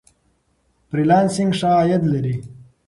فری لانسینګ ښه عاید لري.